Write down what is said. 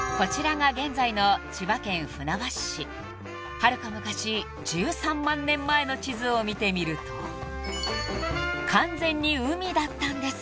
［はるか昔１３万年前の地図を見てみると完全に海だったんです］